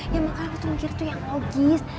ya makanya lo tuh mikir tuh yang logis